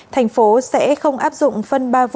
thành phố sẽ không áp dụng phân ba vụ